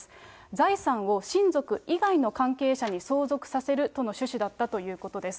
財産を親族以外の関係者に相続させるとの趣旨だったということです。